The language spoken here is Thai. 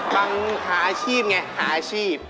บังคาชีพไงคางาชีพ